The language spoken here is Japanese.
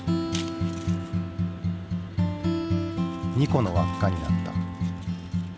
２個の輪っかになった。